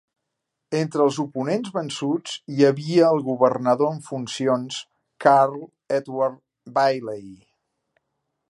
Entre els oponents vençuts hi havia el governador en funcions Carl Edward Bailey.